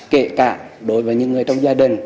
kể cả đối với những người trong gia đình